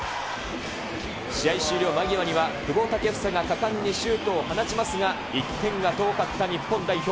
試合終了間際には、久保建英が果敢にシュートを放ちますが、１点が遠かった日本代表。